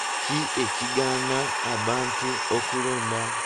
Ki ekigaana abantu okulonda?